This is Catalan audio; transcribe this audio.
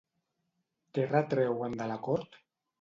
Què retreuen de l'acord?